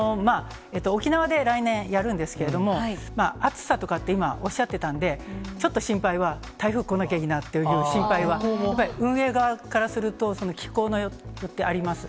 沖縄で来年、やるんですけれども、暑さとかって今、おっしゃってたんで、ちょっと心配は台風来なきゃいいなっていう心配は、運営側からすると、気候によってあります。